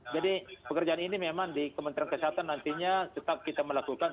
jadi pekerjaan ini memang di kmk nantinya tetap kita melakukan